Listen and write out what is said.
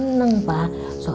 ia kita dulu yang adalah